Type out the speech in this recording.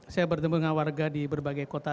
saya bertemu dengan warga di berbagai kota